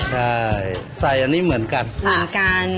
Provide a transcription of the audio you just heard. ใช่ใส่อันนี้เหมือนกันเหมือนกัน